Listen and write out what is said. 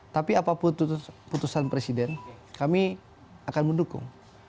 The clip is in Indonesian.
tapi apapun putusan presiden kami akan mendukung